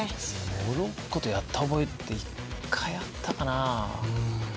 モロッコとやった覚えって一回、あったかな。